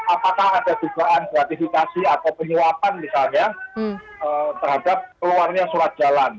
apakah ada dugaan gratifikasi atau penyuapan misalnya terhadap keluarnya surat jalan